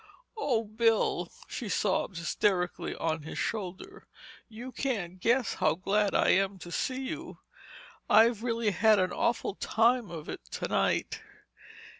"Oh, Bill—" she sobbed hysterically on his shoulder—"you can't guess how glad I am to see you. I've really had an awful time of it tonight."